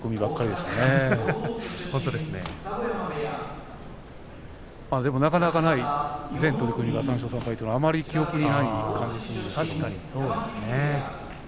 でも、なかなかない全取組が３勝３敗というのはあまり記憶にないですね。